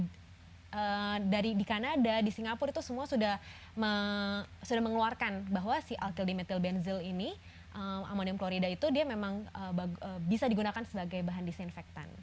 jadi dari di kanada di singapura itu semua sudah mengeluarkan bahwa si alkyl dimethylbenzila ammonium klorida itu dia memang bisa digunakan sebagai bahan disinfektan